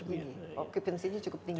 okupansinya cukup tinggi